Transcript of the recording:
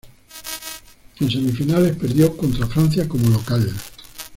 En semifinales perdió contra Francia como local.